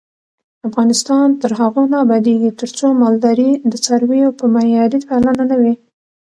افغانستان تر هغو نه ابادیږي، ترڅو مالداري د څارویو په معیاري پالنه نه وي.